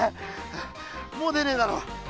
もう出ねえだろ。